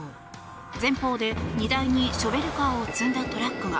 前方で、荷台にショベルカーを積んだトラックが